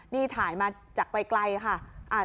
นี่ถ่ายมาจากไกลค่ะ